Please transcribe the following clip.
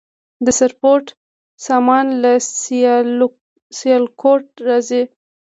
د سپورت سامان له سیالکوټ راځي؟